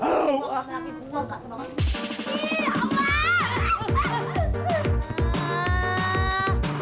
pak gino laki laki gua gak terlalu asli